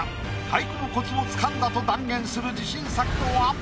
俳句のコツを掴んだと断言する自信作とは？